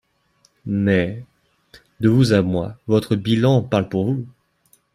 Mais, de vous à moi, votre bilan parle pour vous.